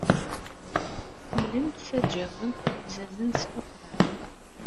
Kemmlent ssaǧawent ilzazen s tuffra.